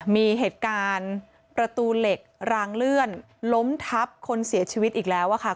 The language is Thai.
มีเหตุการณ์ประตูเหล็กรางเลื่อนล้มทับคนเสียชีวิตอีกแล้วอะค่ะ